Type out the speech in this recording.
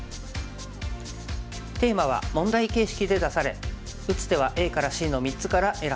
テーマは問題形式で出され打つ手はＡからＣの３つから選んで頂きます。